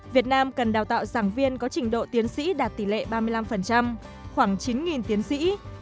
việt nam cần đào tạo giảng viên có trình độ tiến sĩ đạt tỷ lệ ba mươi năm khoảng chín tiến sĩ